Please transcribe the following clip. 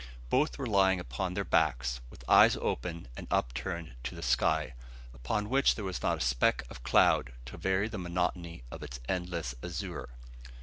Both were lying upon their backs, with eyes open and upturned to the sky, upon which there was not a speck of cloud to vary the monotony of its endless azure.